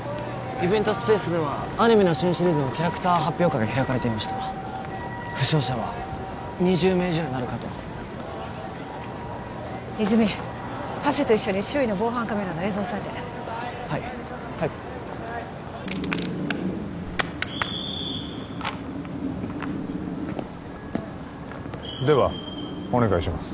イベントスペースではアニメの新シリーズのキャラクター発表会が開かれていました負傷者は２０名以上になるかと泉ハセと一緒に周囲の防犯カメラの映像おさえてはいはいではお願いします